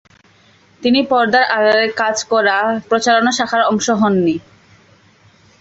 তিনি পর্দার আড়ালে কাজ করা প্রচারণা শাখার অংশ হন নি।